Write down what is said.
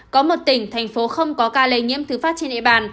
có một tỉnh thành phố không có ca lây nhiễm thứ phát trên địa bàn